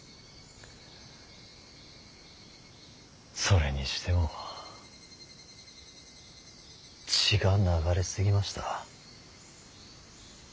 それにしても血が流れ過ぎました。